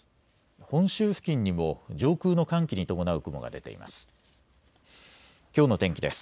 本州付近にも上空の寒気に伴う雲が出ています。